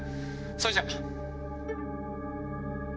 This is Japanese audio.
それじゃ。